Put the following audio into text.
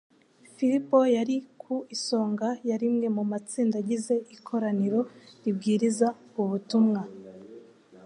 Filipo yari ku isonga ya rimwe mu matsinda agize ikoraniro ribwiriza ubutumwa.